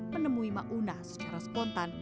menemui ma'unah secara spontan